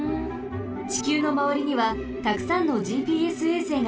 ちきゅうのまわりにはたくさんのＧＰＳ衛星があります。